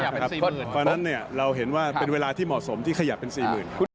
เพราะฉะนั้นเราเห็นว่าเป็นเวลาที่เหมาะสมที่ขยับเป็น๔๐๐๐บาท